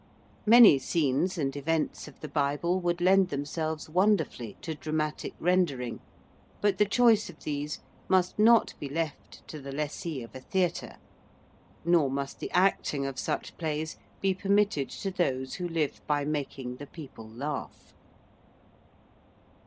Many scenes and events of the Bible would lend themselves wonderfully to dramatic rendering. But the choice of these must not be left to the lessee of a theatre: nor must the acting of such plays be permitted to those who live by making the people laugh.